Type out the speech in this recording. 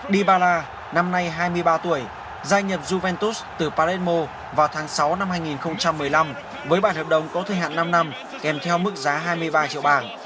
dibala năm nay hai mươi ba tuổi gia nhập juventus từ paradmo vào tháng sáu năm hai nghìn một mươi năm với bản hợp đồng có thời hạn năm năm kèm theo mức giá hai mươi ba triệu bảng